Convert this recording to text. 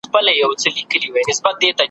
رباعیات `